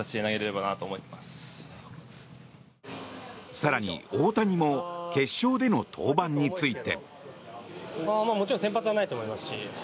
更に大谷も決勝での登板について。